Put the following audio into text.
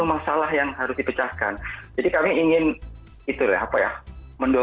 nah tapi setelah ini paling di hadapan di engineering center sekolah wayan soma